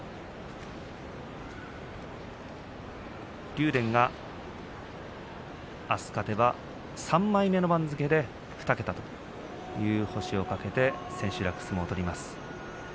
竜電が、あす勝てば３枚目の番付で２桁という星を懸けて千秋楽、相撲を取ります。